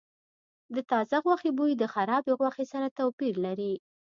د تازه غوښې بوی د خرابې غوښې سره توپیر لري.